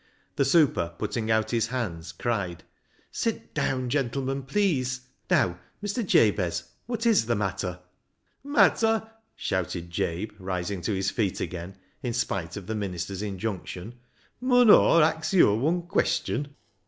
The super, putting out his hands, cried, " Sit down, gentlemen, please. Now, Mr. Jabez, what 7s the matter ?" "Matter?" shouted Jabe, rising to his feet again, in spite of the minister's injunction. " Mun Aw ax yo' wun queshten